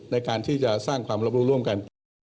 ในการที่จะสร้างความรับรู้ร่วมกัน